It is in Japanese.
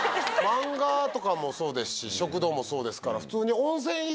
マンガとかもそうですし食堂もそうですから普通に。